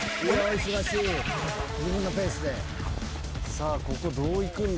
さあここどう行くんだ？